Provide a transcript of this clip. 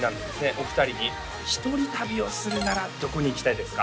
お二人にひとり旅をするならどこに行きたいですか？